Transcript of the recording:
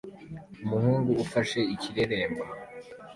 Umuhungu ufashe ikireremba